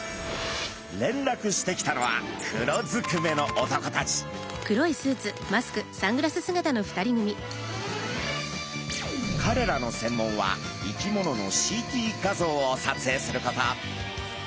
れんらくしてきたのはかれらの専門は生き物のＣＴ画像を撮影すること。